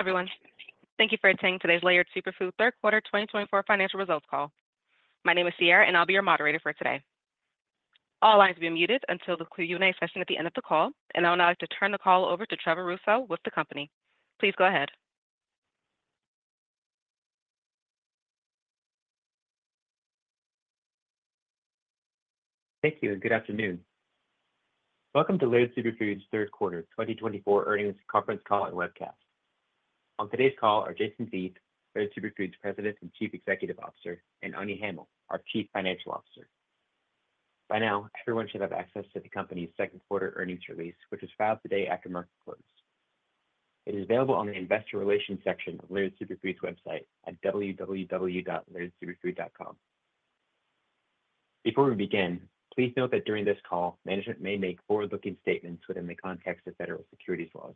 Everyone, thank you for attending today's Laird Superfood Third Quarter 2024 Financial Results Call. My name is Sierra, and I'll be your moderator for today. All lines will be muted until the Q&A session at the end of the call, and I would now like to turn the call over to Trevor Ross with the company. Please go ahead. Thank you, and good afternoon. Welcome to Laird Superfood Third Quarter 2024 Earnings Conference Call and Webcast. On today's call are Jason Vieth, Laird Superfood President and Chief Executive Officer, and Anya Hamill, our Chief Financial Officer. By now, everyone should have access to the company's third quarter earnings release, which was filed today after market close. It is available on the Investor Relations section of Laird Superfood's website at www.lairdsuperfood.com. Before we begin, please note that during this call, management may make forward-looking statements within the context of federal securities laws.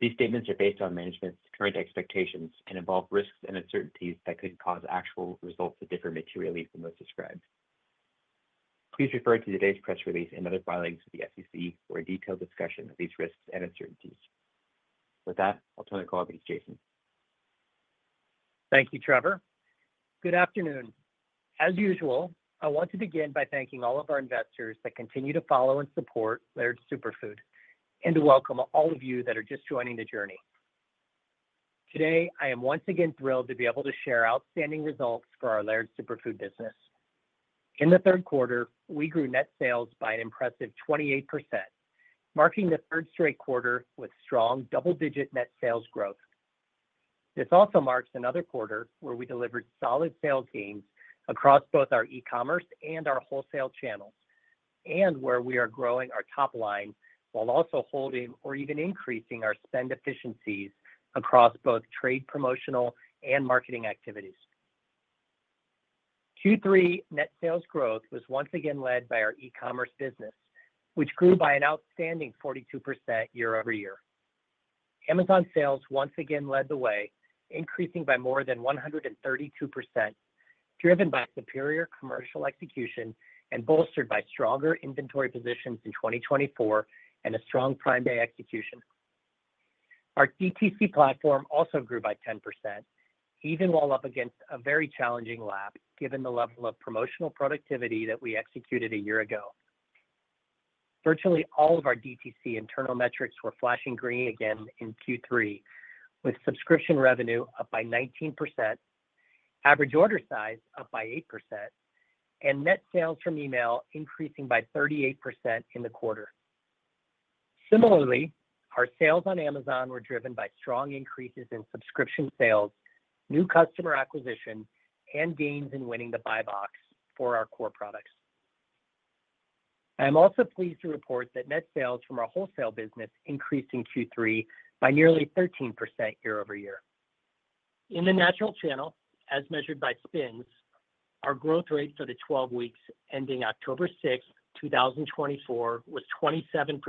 These statements are based on management's current expectations and involve risks and uncertainties that could cause actual results that differ materially from those described. Please refer to today's press release and other filings with the SEC for a detailed discussion of these risks and uncertainties. With that, I'll turn the call over to Jason. Thank you, Trevor. Good afternoon. As usual, I want to begin by thanking all of our investors that continue to follow and support Laird Superfood, and to welcome all of you that are just joining the journey. Today, I am once again thrilled to be able to share outstanding results for our Laird Superfood business. In the third quarter, we grew net sales by an impressive 28%, marking the third straight quarter with strong double-digit net sales growth. This also marks another quarter where we delivered solid sales gains across both our e-commerce and our wholesale channels, and where we are growing our top line while also holding or even increasing our spend efficiencies across both trade promotional and marketing activities. Q3 net sales growth was once again led by our e-commerce business, which grew by an outstanding 42% year over year. Amazon sales once again led the way, increasing by more than 132%, driven by superior commercial execution and bolstered by stronger inventory positions in 2024 and a strong Prime Day execution. Our DTC platform also grew by 10%, even while up against a very challenging lap given the level of promotional productivity that we executed a year ago. Virtually all of our DTC internal metrics were flashing green again in Q3, with subscription revenue up by 19%, average order size up by 8%, and net sales from email increasing by 38% in the quarter. Similarly, our sales on Amazon were driven by strong increases in subscription sales, new customer acquisition, and gains in winning the Buy Box for our core products. I am also pleased to report that net sales from our wholesale business increased in Q3 by nearly 13% year-over-year. In the natural channel, as measured by SPINS, our growth rate for the 12 weeks ending October 6, 2024, was 27%,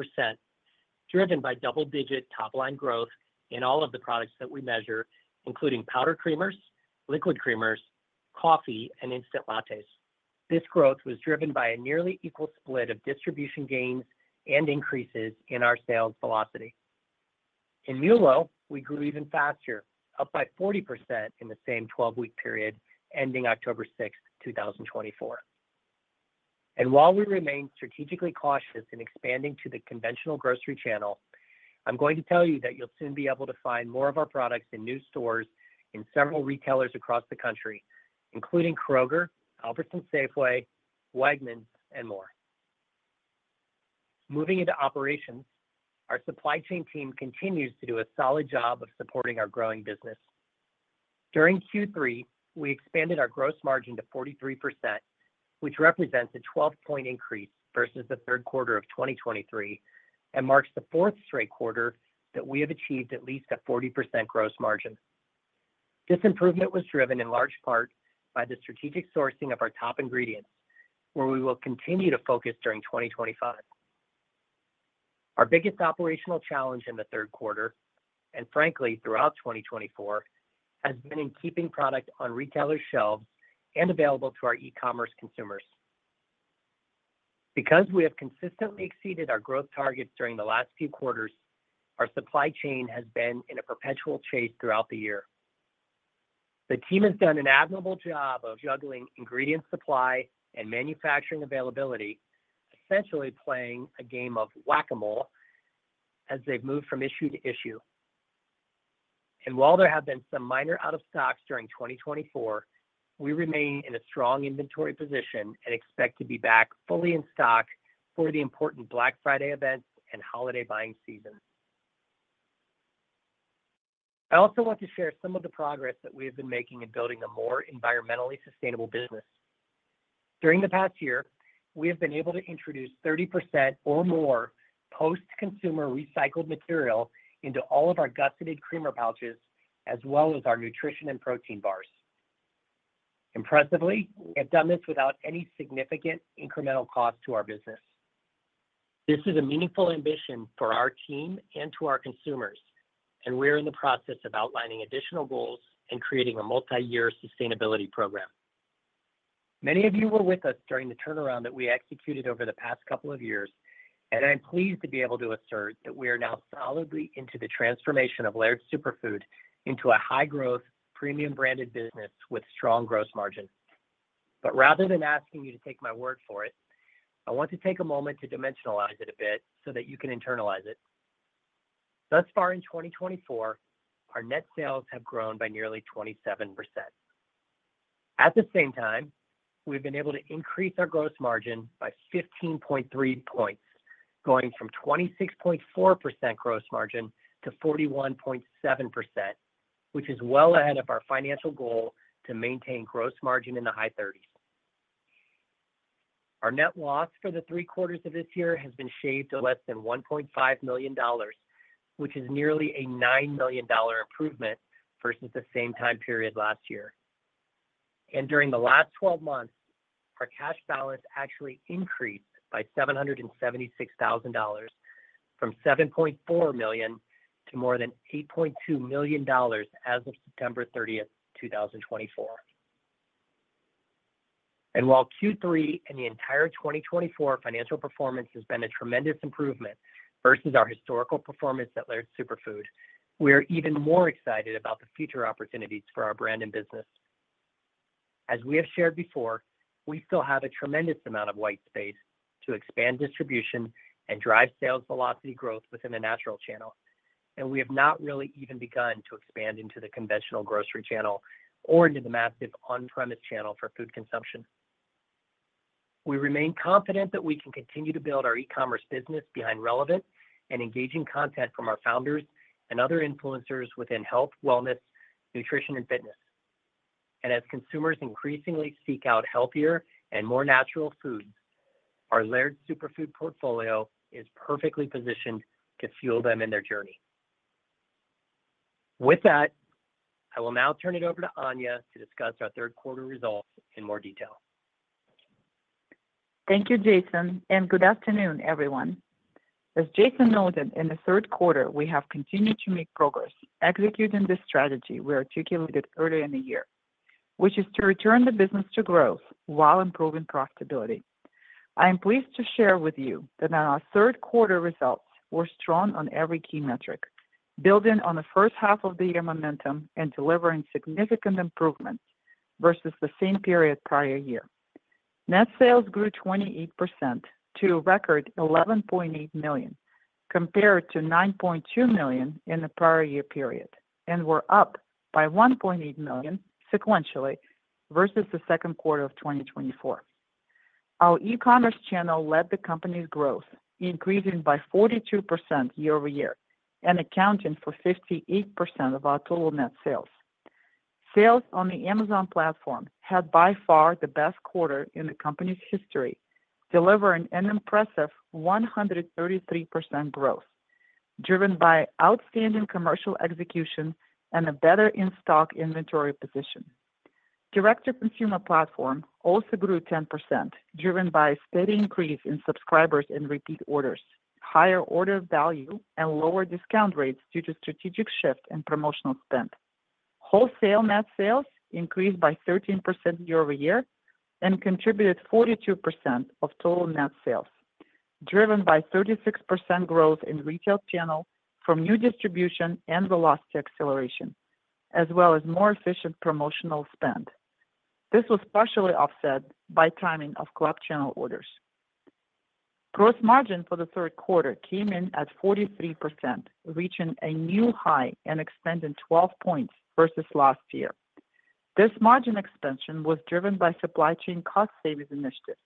driven by double-digit top line growth in all of the products that we measure, including powdered creamers, liquid creamers, coffee, and instant lattes. This growth was driven by a nearly equal split of distribution gains and increases in our sales velocity. In MULO, we grew even faster, up by 40% in the same 12-week period ending October 6, 2024, and while we remain strategically cautious in expanding to the conventional grocery channel, I'm going to tell you that you'll soon be able to find more of our products in new stores in several retailers across the country, including Kroger, Albertsons Safeway, Wegmans, and more. Moving into operations, our supply chain team continues to do a solid job of supporting our growing business. During Q3, we expanded our gross margin to 43%, which represents a 12-point increase versus the third quarter of 2023, and marks the fourth straight quarter that we have achieved at least a 40% gross margin. This improvement was driven in large part by the strategic sourcing of our top ingredients, where we will continue to focus during 2025. Our biggest operational challenge in the third quarter, and frankly, throughout 2024, has been in keeping product on retailers' shelves and available to our e-commerce consumers. Because we have consistently exceeded our growth targets during the last few quarters, our supply chain has been in a perpetual chase throughout the year. The team has done an admirable job of juggling ingredient supply and manufacturing availability, essentially playing a game of whack-a-mole as they've moved from issue to issue. While there have been some minor out-of-stocks during 2024, we remain in a strong inventory position and expect to be back fully in stock for the important Black Friday events and holiday buying season. I also want to share some of the progress that we have been making in building a more environmentally sustainable business. During the past year, we have been able to introduce 30% or more post-consumer recycled material into all of our gusseted creamer pouches, as well as our nutrition and protein bars. Impressively, we have done this without any significant incremental cost to our business. This is a meaningful ambition for our team and to our consumers, and we are in the process of outlining additional goals and creating a multi-year sustainability program. Many of you were with us during the turnaround that we executed over the past couple of years, and I'm pleased to be able to assert that we are now solidly into the transformation of Laird Superfood into a high-growth, premium-branded business with strong gross margin. But rather than asking you to take my word for it, I want to take a moment to dimensionalize it a bit so that you can internalize it. Thus far in 2024, our net sales have grown by nearly 27%. At the same time, we've been able to increase our gross margin by 15.3 points, going from 26.4% gross margin to 41.7%, which is well ahead of our financial goal to maintain gross margin in the high 30s. Our net loss for the three quarters of this year has been shaved to less than $1.5 million, which is nearly a $9 million improvement versus the same time period last year. And during the last 12 months, our cash balance actually increased by $776,000, from $7.4 million to more than $8.2 million as of September 30, 2024. And while Q3 and the entire 2024 financial performance has been a tremendous improvement versus our historical performance at Laird Superfood, we are even more excited about the future opportunities for our brand and business. As we have shared before, we still have a tremendous amount of white space to expand distribution and drive sales velocity growth within the natural channel, and we have not really even begun to expand into the conventional grocery channel or into the massive on-premise channel for food consumption. We remain confident that we can continue to build our e-commerce business behind relevant and engaging content from our founders and other influencers within health, wellness, nutrition, and fitness. And as consumers increasingly seek out healthier and more natural foods, our Laird Superfood portfolio is perfectly positioned to fuel them in their journey. With that, I will now turn it over to Anya to discuss our third quarter results in more detail. Thank you, Jason, and good afternoon, everyone. As Jason noted, in the third quarter, we have continued to make progress executing the strategy we articulated earlier in the year, which is to return the business to growth while improving profitability. I am pleased to share with you that our third quarter results were strong on every key metric, building on the first half of the year momentum and delivering significant improvements versus the same period prior year. Net sales grew 28% to a record $11.8 million, compared to $9.2 million in the prior year period, and were up by $1.8 million sequentially versus the second quarter of 2024. Our e-commerce channel led the company's growth, increasing by 42% year over year and accounting for 58% of our total net sales. Sales on the Amazon platform had by far the best quarter in the company's history, delivering an impressive 133% growth, driven by outstanding commercial execution and a better in-stock inventory position. Direct-to-Consumer platform also grew 10%, driven by a steady increase in subscribers and repeat orders, higher order value, and lower discount rates due to strategic shift in promotional spend. Wholesale net sales increased by 13% year over year and contributed 42% of total net sales, driven by 36% growth in retail channel from new distribution and velocity acceleration, as well as more efficient promotional spend. This was partially offset by timing of club channel orders. Gross margin for the third quarter came in at 43%, reaching a new high and extending 12 points versus last year. This margin expansion was driven by supply chain cost savings initiatives,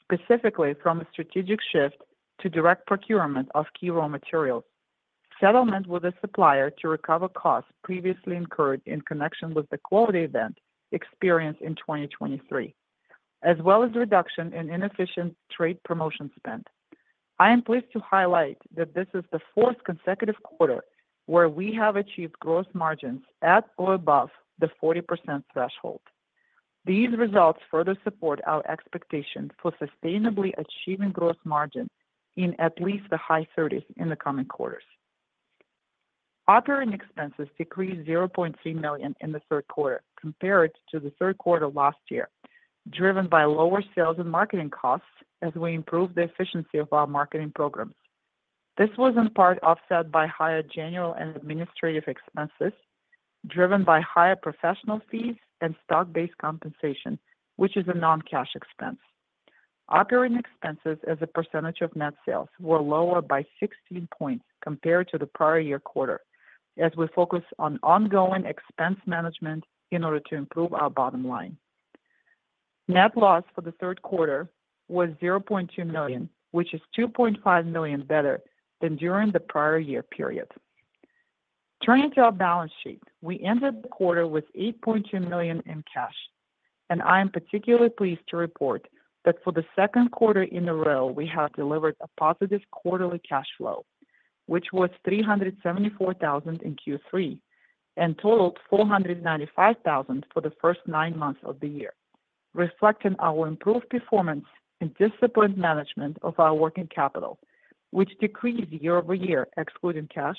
specifically from a strategic shift to direct procurement of key raw materials, settlement with a supplier to recover costs previously incurred in connection with the quality event experienced in 2023, as well as reduction in inefficient trade promotion spend. I am pleased to highlight that this is the fourth consecutive quarter where we have achieved gross margins at or above the 40% threshold. These results further support our expectation for sustainably achieving gross margin in at least the high 30s in the coming quarters. Operating expenses decreased $0.3 million in the third quarter compared to the third quarter last year, driven by lower sales and marketing costs as we improved the efficiency of our marketing programs. This was in part offset by higher general and administrative expenses, driven by higher professional fees and stock-based compensation, which is a non-cash expense. Operating expenses as a percentage of net sales were lower by 16 points compared to the prior year quarter, as we focus on ongoing expense management in order to improve our bottom line. Net loss for the third quarter was $0.2 million, which is $2.5 million better than during the prior year period. Turning to our balance sheet, we ended the quarter with $8.2 million in cash, and I am particularly pleased to report that for the second quarter in a row, we have delivered a positive quarterly cash flow, which was $374,000 in Q3 and totaled $495,000 for the first nine months of the year, reflecting our improved performance and disciplined management of our working capital, which decreased year over year, excluding cash,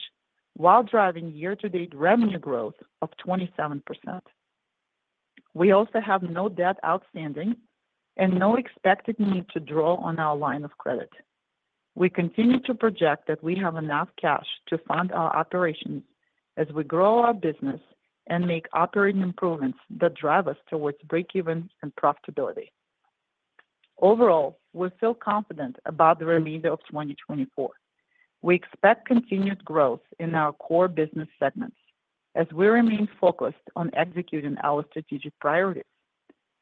while driving year-to-date revenue growth of 27%. We also have no debt outstanding and no expected need to draw on our line of credit. We continue to project that we have enough cash to fund our operations as we grow our business and make operating improvements that drive us towards breakevens and profitability. Overall, we feel confident about the remainder of 2024. We expect continued growth in our core business segments as we remain focused on executing our strategic priorities.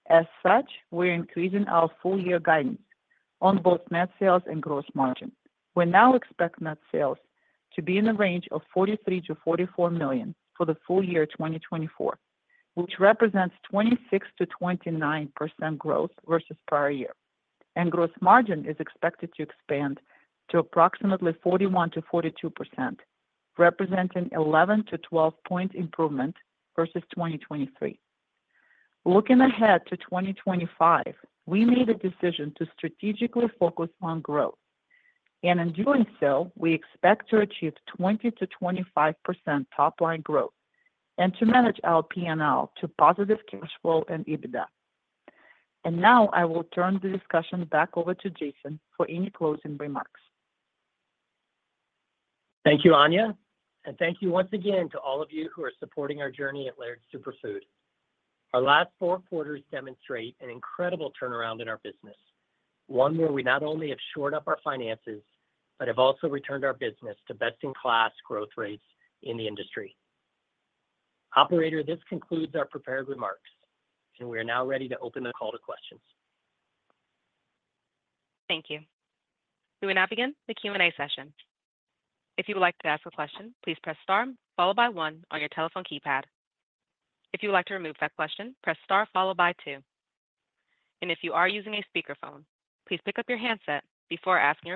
As such, we are increasing our full-year guidance on both net sales and gross margin. We now expect net sales to be in the range of $43-$44 million for the full year 2024, which represents 26%-29% growth versus prior year, and gross margin is expected to expand to approximately 41%-42%, representing 11-12-point improvement versus 2023. Looking ahead to 2025, we made a decision to strategically focus on growth, and in doing so, we expect to achieve 20%-25% top line growth and to manage our P&L to positive cash flow and EBITDA, and now I will turn the discussion back over to Jason for any closing remarks. Thank you, Anya, and thank you once again to all of you who are supporting our journey at Laird Superfood. Our last four quarters demonstrate an incredible turnaround in our business, one where we not only have shored up our finances but have also returned our business to best-in-class growth rates in the industry. Operator, this concludes our prepared remarks, and we are now ready to open the call to questions. Thank you. We will now begin the Q&A session. If you would like to ask a question, please press star followed by one on your telephone keypad. If you would like to remove that question, press star followed by two. And if you are using a speakerphone, please pick up your handset before asking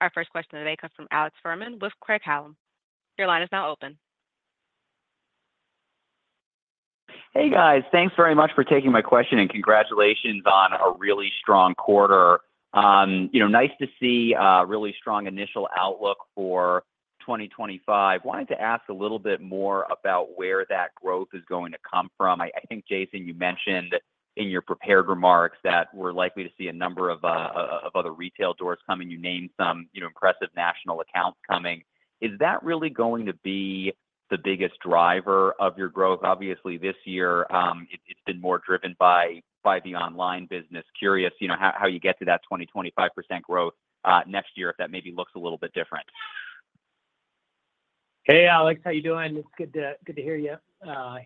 your question. Our first question today comes from Alex Fuhrman with Craig-Hallum. Your line is now open. Hey, guys. Thanks very much for taking my question, and congratulations on a really strong quarter. You know, nice to see a really strong initial outlook for 2025. Wanted to ask a little bit more about where that growth is going to come from. I think, Jason, you mentioned in your prepared remarks that we're likely to see a number of other retail doors coming. You named some impressive national accounts coming. Is that really going to be the biggest driver of your growth? Obviously, this year, it's been more driven by the online business. Curious how you get to that 20%-25% growth next year if that maybe looks a little bit different. Hey, Alex. How are you doing? It's good to hear you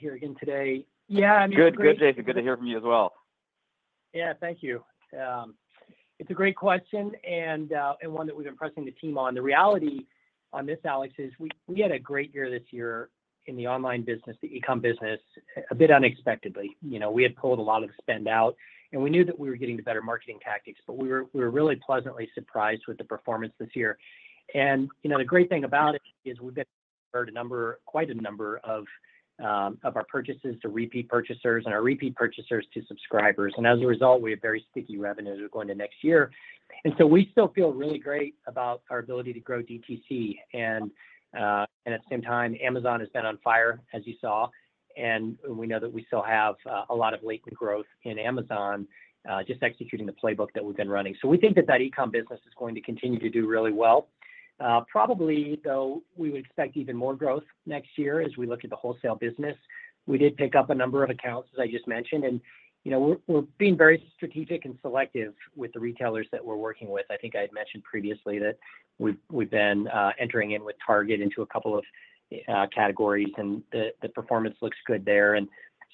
here again today. Yeah, I mean. Good, good, Jason. Good to hear from you as well. Yeah, thank you. It's a great question and one that we've been pressing the team on. The reality on this, Alex, is we had a great year this year in the online business, the e-com business, a bit unexpectedly. We had pulled a lot of spend out, and we knew that we were getting to better marketing tactics, but we were really pleasantly surprised with the performance this year. And the great thing about it is we've been able to convert a number, quite a number of our purchases to repeat purchasers and our repeat purchasers to subscribers. And as a result, we have very sticky revenues going into next year. And so we still feel really great about our ability to grow DTC. And at the same time, Amazon has been on fire, as you saw, and we know that we still have a lot of latent growth in Amazon just executing the playbook that we've been running. So we think that that e-com business is going to continue to do really well. Probably, though, we would expect even more growth next year as we look at the wholesale business. We did pick up a number of accounts, as I just mentioned, and we're being very strategic and selective with the retailers that we're working with. I think I had mentioned previously that we've been entering in with Target into a couple of categories, and the performance looks good there. And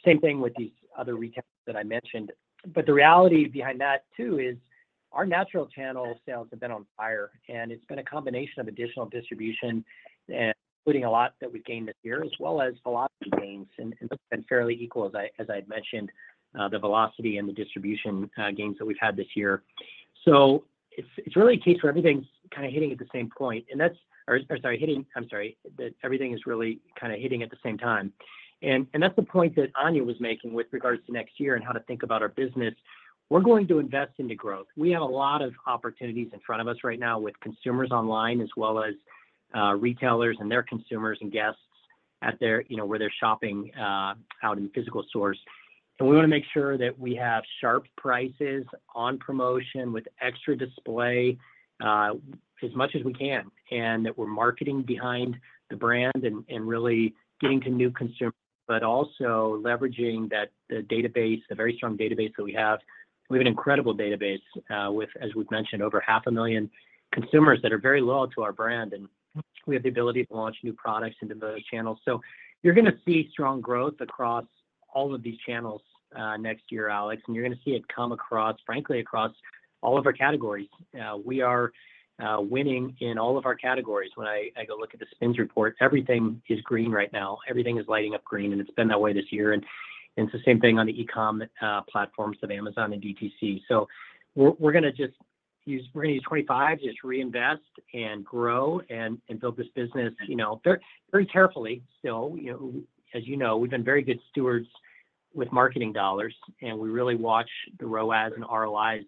same thing with these other retailers that I mentioned. But the reality behind that, too, is our natural channel sales have been on fire, and it's been a combination of additional distribution and including a lot that we've gained this year, as well as velocity gains. And those have been fairly equal, as I had mentioned, the velocity and the distribution gains that we've had this year. So it's really a case where everything's kind of hitting at the same time. And that's the point that Anya was making with regards to next year and how to think about our business. We're going to invest into growth. We have a lot of opportunities in front of us right now with consumers online, as well as retailers and their consumers and guests at their—you know, where they're shopping out in physical stores. We want to make sure that we have sharp prices on promotion with extra display as much as we can and that we're marketing behind the brand and really getting to new consumers, but also leveraging that database, the very strong database that we have. We have an incredible database with, as we've mentioned, over 500,000 consumers that are very loyal to our brand, and we have the ability to launch new products into those channels. You're going to see strong growth across all of these channels next year, Alex, and you're going to see it come across, frankly, across all of our categories. We are winning in all of our categories. When I go look at the SPINS report, everything is green right now. Everything is lighting up green, and it's been that way this year. It's the same thing on the e-com platforms of Amazon and DTC. We're going to use 25 to just reinvest and grow and build this business, you know, very carefully still. You know, as you know, we've been very good stewards with marketing dollars, and we really watch the ROAS and ROIs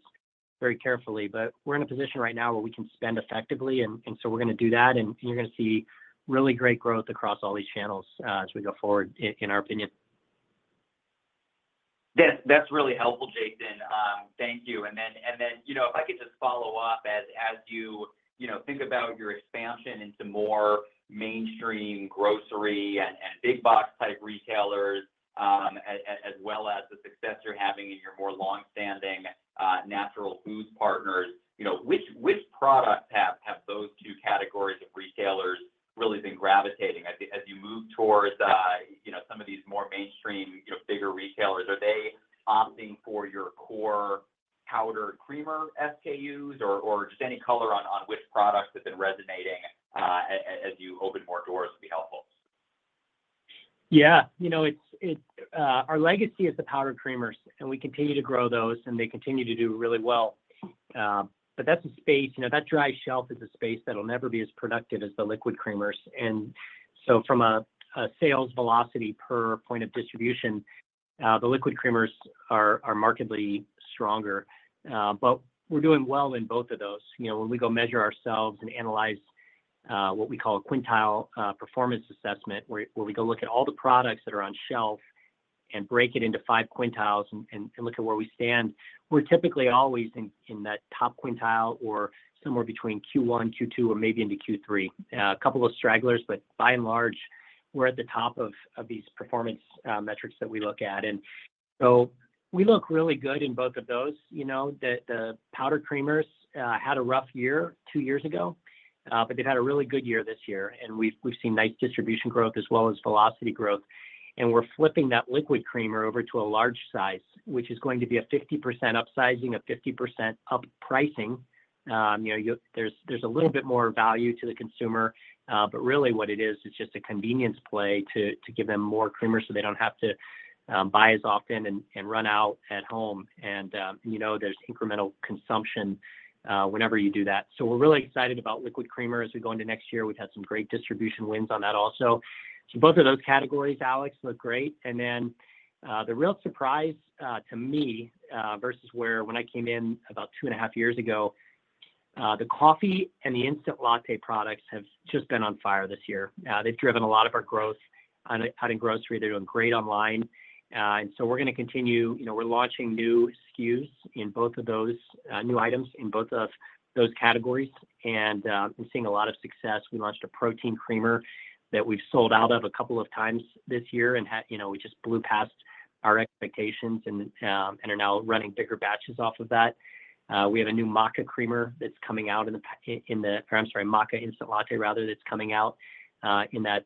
very carefully. But we're in a position right now where we can spend effectively, and so we're going to do that, and you're going to see really great growth across all these channels as we go forward, in our opinion. That's really helpful, Jason. Thank you. And then, you know, if I could just follow up as you, you know, think about your expansion into more mainstream grocery and big-box type retailers, as well as the success you're having in your more long-standing natural foods partners, you know, which products have those two categories of retailers really been gravitating as you move towards, you know, some of these more mainstream, you know, bigger retailers? Are they opting for your core powder and creamer SKUs or just any color on which products have been resonating as you open more doors would be helpful? Yeah, you know, our legacy is the powdered creamers, and we continue to grow those, and they continue to do really well. But that's a space, you know, that dry shelf is a space that'll never be as productive as the liquid creamers. And so from a sales velocity per point of distribution, the liquid creamers are markedly stronger. But we're doing well in both of those. You know, when we go measure ourselves and analyze what we call a quintile performance assessment, where we go look at all the products that are on shelf and break it into five quintiles and look at where we stand, we're typically always in that top quintile or somewhere between Q1, Q2, or maybe into Q3. A couple of stragglers, but by and large, we're at the top of these performance metrics that we look at. And so we look really good in both of those. You know, the powdered creamers had a rough year two years ago, but they've had a really good year this year, and we've seen nice distribution growth as well as velocity growth. And we're flipping that liquid creamer over to a large size, which is going to be a 50% upsizing, a 50% up pricing. You know, there's a little bit more value to the consumer, but really what it is, it's just a convenience play to give them more creamers so they don't have to buy as often and run out at home. And you know, there's incremental consumption whenever you do that. So we're really excited about liquid creamers as we go into next year. We've had some great distribution wins on that also. So both of those categories, Alex, look great. And then the real surprise to me versus where when I came in about two and a half years ago, the coffee and the instant latte products have just been on fire this year. They've driven a lot of our growth out in grocery. They're doing great online. And so we're going to continue, you know, we're launching new SKUs in both of those new items in both of those categories and seeing a lot of success. We launched a protein creamer that we've sold out of a couple of times this year and had, you know, we just blew past our expectations and are now running bigger batches off of that. We have a new maca creamer that's coming out in the, or I'm sorry, maca instant latte, rather, that's coming out in that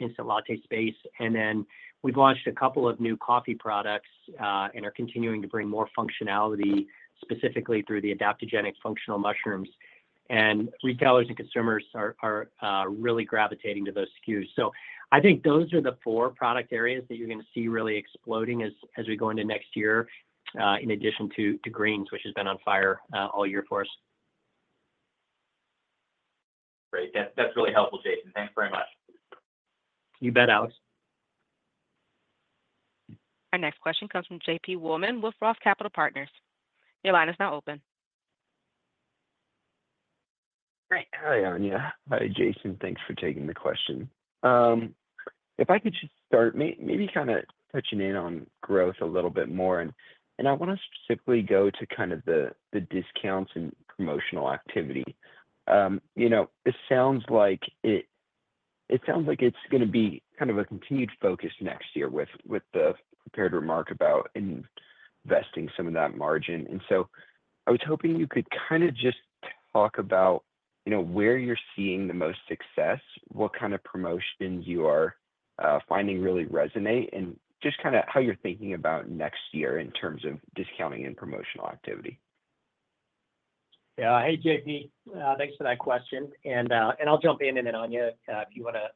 instant latte space. And then we've launched a couple of new coffee products and are continuing to bring more functionality, specifically through the adaptogenic functional mushrooms. And retailers and consumers are really gravitating to those SKUs. So I think those are the four product areas that you're going to see really exploding as we go into next year, in addition to greens, which has been on fire all year for us. Great. That's really helpful, Jason. Thanks very much. You bet, Alex. Our next question comes from JP Wollam with Roth Capital Partners. Your line is now open. Hi, Anya. Hi, Jason. Thanks for taking the question. If I could just start, maybe kind of touching in on growth a little bit more, and I want to specifically go to kind of the discounts and promotional activity. You know, it sounds like it's going to be kind of a continued focus next year with the prepared remark about investing some of that margin. And so I was hoping you could kind of just talk about, you know, where you're seeing the most success, what kind of promotions you are finding really resonate, and just kind of how you're thinking about next year in terms of discounting and promotional activity. Yeah. Hey, JP. Thanks for that question. And I'll jump in, and then Anya, if you want to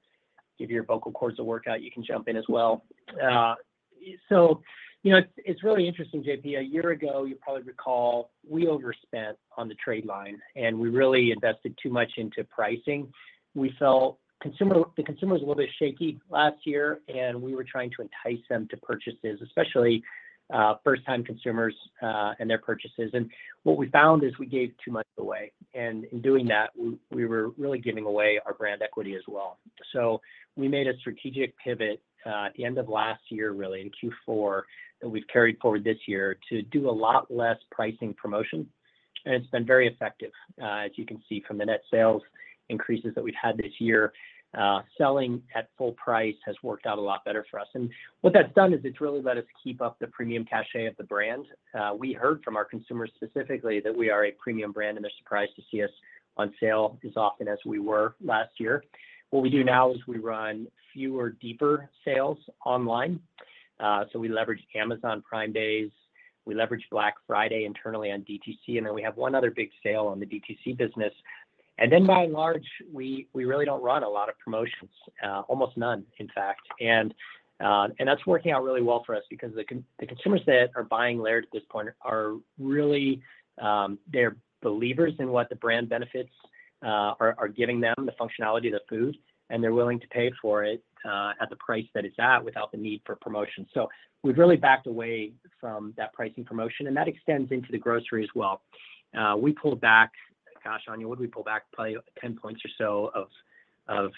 give your vocal cords a workout, you can jump in as well. So, you know, it's really interesting, JP. A year ago, you probably recall, we overspent on the trade line, and we really invested too much into pricing. We felt the consumer was a little bit shaky last year, and we were trying to entice them to purchases, especially first-time consumers and their purchases. And what we found is we gave too much away. And in doing that, we were really giving away our brand equity as well. So we made a strategic pivot at the end of last year, really, in Q4, that we've carried forward this year to do a lot less pricing promotion. It's been very effective, as you can see from the net sales increases that we've had this year. Selling at full price has worked out a lot better for us. What that's done is it's really let us keep up the premium cachet of the brand. We heard from our consumers specifically that we are a premium brand, and they're surprised to see us on sale as often as we were last year. What we do now is we run fewer, deeper sales online. We leverage Amazon Prime Days. We leverage Black Friday internally on DTC, and then we have one other big sale on the DTC business. Then, by and large, we really don't run a lot of promotions, almost none, in fact. And that's working out really well for us because the consumers that are buying Laird at this point are really. They're believers in what the brand benefits are giving them, the functionality of the food, and they're willing to pay for it at the price that it's at without the need for promotion. So we've really backed away from that pricing promotion, and that extends into the grocery as well. We pulled back, gosh, Anya, what did we pull back? Probably 10 points or so of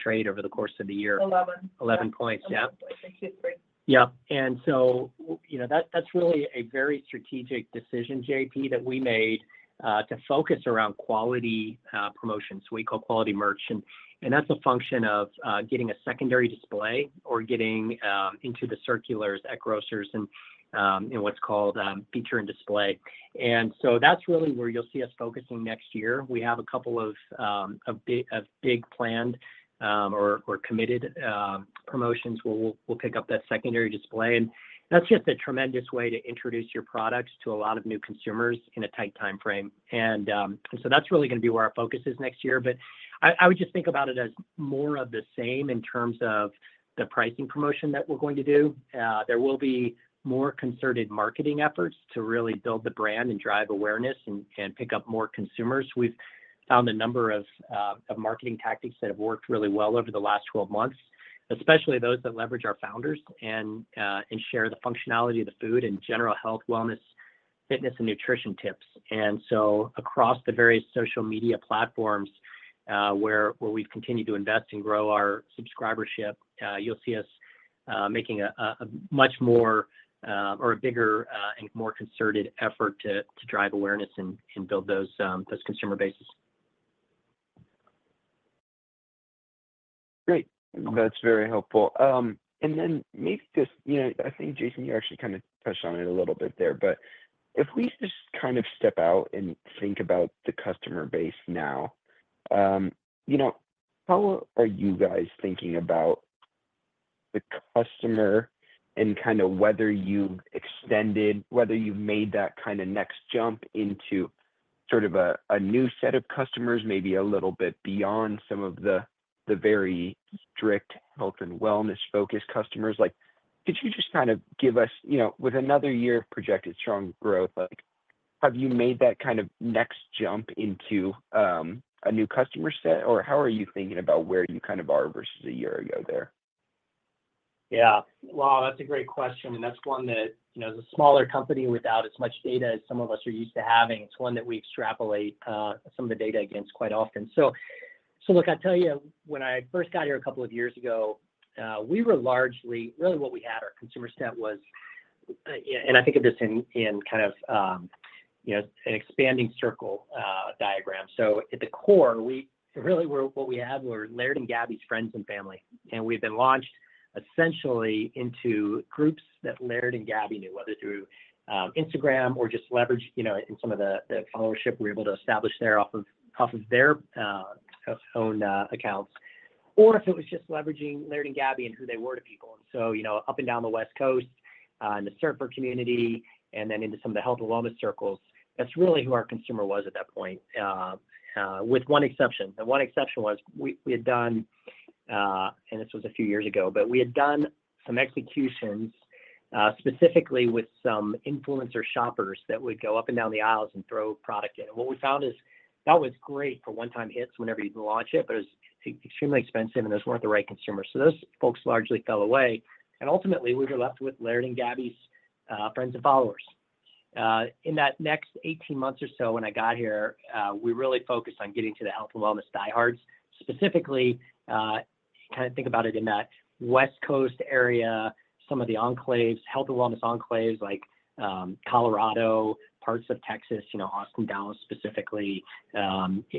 trade over the course of the year. 11. 11 points, yeah. 11 points in Q3. Yeah, and so, you know, that's really a very strategic decision, JP, that we made to focus around quality promotions, so we call quality merch, and that's a function of getting a secondary display or getting into the circulars at grocers and what's called feature and display, and so that's really where you'll see us focusing next year. We have a couple of big planned or committed promotions where we'll pick up that secondary display, and that's just a tremendous way to introduce your products to a lot of new consumers in a tight time frame, and so that's really going to be where our focus is next year, but I would just think about it as more of the same in terms of the pricing promotion that we're going to do. There will be more concerted marketing efforts to really build the brand and drive awareness and pick up more consumers. We've found a number of marketing tactics that have worked really well over the last 12 months, especially those that leverage our founders and share the functionality of the food and general health, wellness, fitness, and nutrition tips, and so across the various social media platforms where we've continued to invest and grow our subscriber base, you'll see us making a much more or a bigger and more concerted effort to drive awareness and build those consumer bases. Great. That's very helpful. And then maybe just, you know, I think, Jason, you actually kind of touched on it a little bit there, but if we just kind of step out and think about the customer base now, you know, how are you guys thinking about the customer and kind of whether you've extended, whether you've made that kind of next jump into sort of a new set of customers, maybe a little bit beyond some of the very strict health and wellness-focused customers? Like, could you just kind of give us, you know, with another year of projected strong growth, like, have you made that kind of next jump into a new customer set, or how are you thinking about where you kind of are versus a year ago there? Yeah. Wow, that's a great question. And that's one that, you know, as a smaller company without as much data as some of us are used to having, it's one that we extrapolate some of the data against quite often. So, look, I'll tell you, when I first got here a couple of years ago, we were largely, really what we had, our consumer set was, and I think of this in kind of, you know, an expanding circle diagram. So at the core, we really were, what we had were Laird and Gabby's friends and family. And we've been launched essentially into groups that Laird and Gabby knew, whether through Instagram or just leveraged, you know, in some of the fellowship we were able to establish there off of their own accounts, or if it was just leveraging Laird and Gabby and who they were to people. And so, you know, up and down the West Coast, in the surfer community, and then into some of the health and wellness circles, that's really who our consumer was at that point, with one exception. And one exception was we had done, and this was a few years ago, but we had done some executions specifically with some influencer shoppers that would go up and down the aisles and throw product in. And what we found is that was great for one-time hits whenever you'd launch it, but it was extremely expensive and those weren't the right consumers. So those folks largely fell away. And ultimately, we were left with Laird and Gabby's friends and followers. In that next 18 months or so when I got here, we really focused on getting to the health and wellness diehards, specifically kind of think about it in that West Coast area, some of the enclaves, health and wellness enclaves like Colorado, parts of Texas, you know, Austin, Dallas specifically,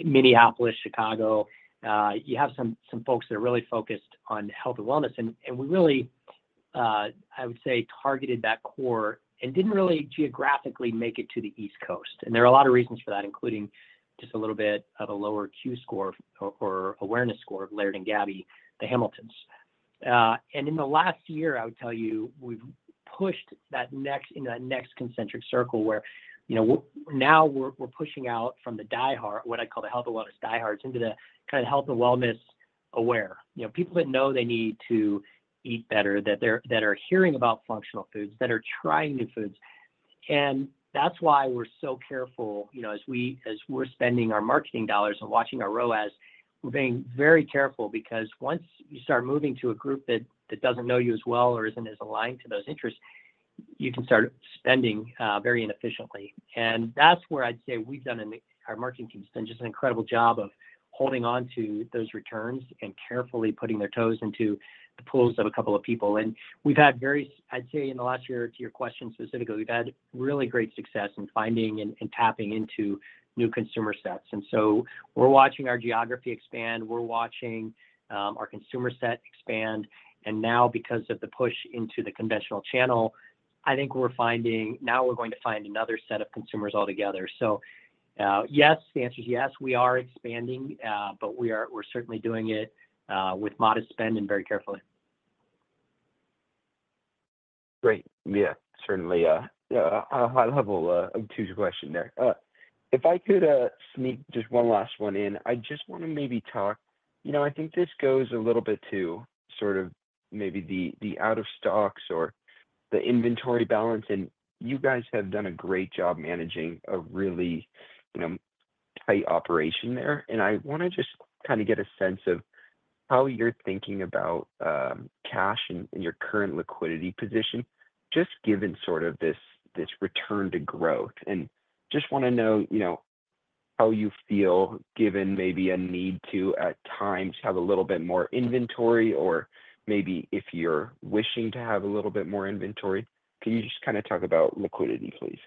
Minneapolis, Chicago. You have some folks that are really focused on health and wellness, and we really, I would say, targeted that core and didn't really geographically make it to the East Coast, and there are a lot of reasons for that, including just a little bit of a lower Q-Score or awareness score of Laird and Gabby, the Hamiltons. And in the last year, I would tell you, we've pushed that next in that next concentric circle where, you know, now we're pushing out from the diehard, what I call the health and wellness diehards, into the kind of health and wellness aware, you know, people that know they need to eat better, that are hearing about functional foods, that are trying new foods. And that's why we're so careful, you know, as we're spending our marketing dollars and watching our ROAS, we're being very careful because once you start moving to a group that doesn't know you as well or isn't as aligned to those interests, you can start spending very inefficiently. And that's where I'd say we've done, our marketing team's done just an incredible job of holding on to those returns and carefully putting their toes into the pools of a couple of people. And we've had very, I'd say in the last year, to your question specifically, we've had really great success in finding and tapping into new consumer sets. And so we're watching our geography expand. We're watching our consumer set expand. And now, because of the push into the conventional channel, I think we're finding. Now we're going to find another set of consumers altogether. So yes, the answer is yes. We are expanding, but we're certainly doing it with modest spend and very carefully. Great. Yeah, certainly a high-level two-part question there. If I could sneak just one last one in, I just want to maybe talk, you know, I think this goes a little bit to sort of maybe the out-of-stocks or the inventory balance. And you guys have done a great job managing a really, you know, tight operation there. And I want to just kind of get a sense of how you're thinking about cash and your current liquidity position, just given sort of this return to growth. And just want to know, you know, how you feel given maybe a need to at times have a little bit more inventory or maybe if you're wishing to have a little bit more inventory. Can you just kind of talk about liquidity, please?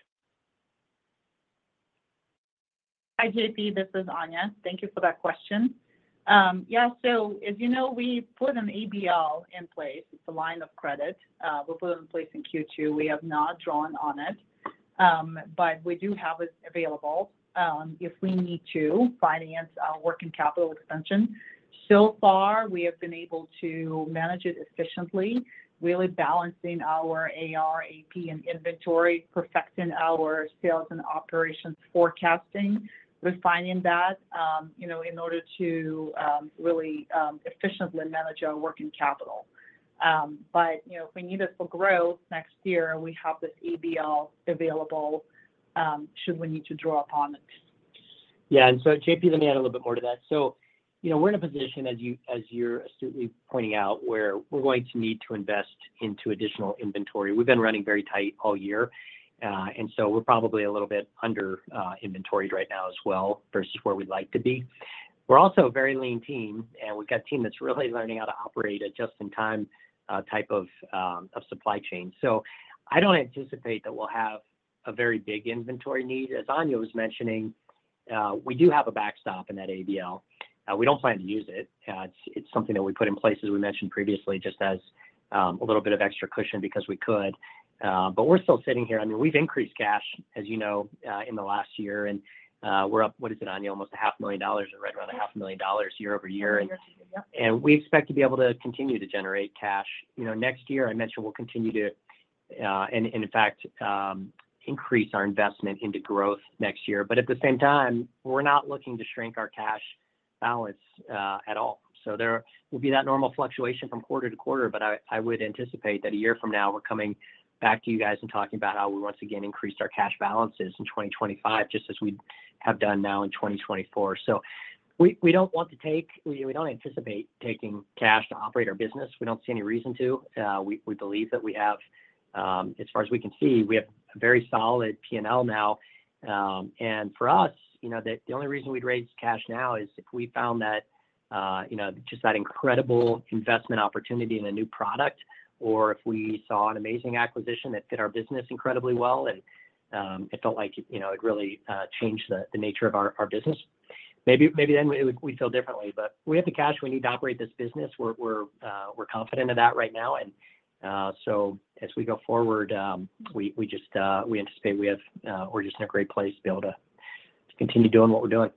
Hi, JP. This is Anya. Thank you for that question. Yeah. So, as you know, we put an ABL in place. It's a line of credit. We'll put it in place in Q2. We have not drawn on it, but we do have it available if we need to finance our working capital expansion. So far, we have been able to manage it efficiently, really balancing our AR, AP, and inventory, perfecting our sales and operations forecasting. We're finding that, you know, in order to really efficiently manage our working capital. But, you know, if we need it for growth next year, we have this ABL available should we need to draw upon it. Yeah. And so, JP, let me add a little bit more to that. So, you know, we're in a position, as you're astutely pointing out, where we're going to need to invest into additional inventory. We've been running very tight all year. And so we're probably a little bit under-inventoried right now as well versus where we'd like to be. We're also a very lean team, and we've got a team that's really learning how to operate a just-in-time type of supply chain. So I don't anticipate that we'll have a very big inventory need. As Anya was mentioning, we do have a backstop in that ABL. We don't plan to use it. It's something that we put in place, as we mentioned previously, just as a little bit of extra cushion because we could. But we're still sitting here. I mean, we've increased cash, as you know, in the last year, and we're up, what is it, Anya, almost $500,000 or right around $500,000 year over year, and we expect to be able to continue to generate cash. You know, next year, I mentioned we'll continue to, and in fact, increase our investment into growth next year, but at the same time, we're not looking to shrink our cash balance at all, so there will be that normal fluctuation from quarter to quarter, but I would anticipate that a year from now, we're coming back to you guys and talking about how we once again increased our cash balances in 2025, just as we have done now in 2024, so we don't want to take. We don't anticipate taking cash to operate our business. We don't see any reason to. We believe that we have, as far as we can see, we have a very solid P&L now, and for us, you know, the only reason we'd raise cash now is if we found that, you know, just that incredible investment opportunity in a new product, or if we saw an amazing acquisition that fit our business incredibly well and it felt like, you know, it really changed the nature of our business. Maybe then we'd feel differently, but we have the cash we need to operate this business. We're confident in that right now, and so as we go forward, we anticipate we're just in a great place to be able to continue doing what we're doing.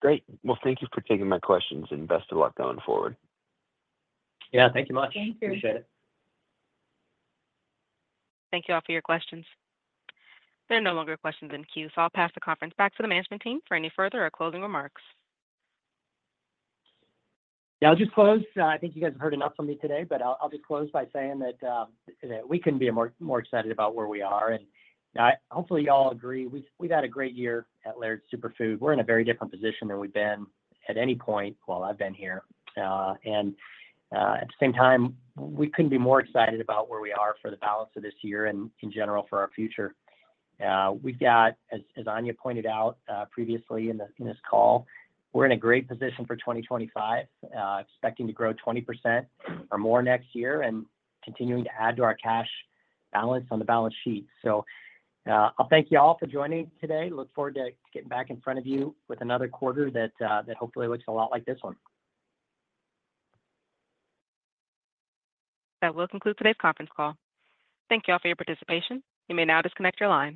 Great. Well, thank you for taking my questions and best of luck going forward. Yeah. Thank you much. Thank you. Appreciate it. Thank you all for your questions. There are no longer questions in queue, so I'll pass the conference back to the management team for any further or closing remarks. Yeah. I'll just close. I think you guys have heard enough from me today, but I'll just close by saying that we couldn't be more excited about where we are, and hopefully, y'all agree. We've had a great year at Laird Superfood. We're in a very different position than we've been at any point while I've been here, and at the same time, we couldn't be more excited about where we are for the balance of this year and in general for our future. We've got, as Anya pointed out previously in this call, we're in a great position for 2025, expecting to grow 20% or more next year and continuing to add to our cash balance on the balance sheet, so I'll thank you all for joining today. Look forward to getting back in front of you with another quarter that hopefully looks a lot like this one. That will conclude today's conference call. Thank you all for your participation. You may now disconnect your line.